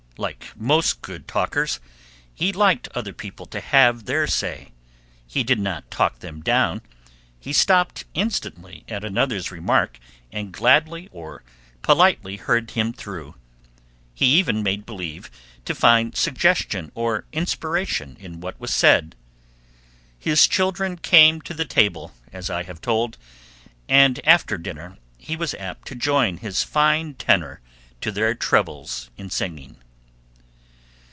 Like most good talkers, he liked other people to have their say; he did not talk them down; he stopped instantly at another's remark and gladly or politely heard him through; he even made believe to find suggestion or inspiration in what was said. His children came to the table, as I have told, and after dinner he was apt to join his fine tenor to their trebles in singing.